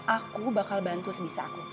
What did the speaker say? aku bakal bantu sebisa aku